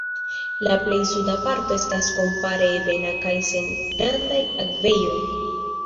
La plej suda parto estas kompare ebena kaj sen grandaj akvejoj.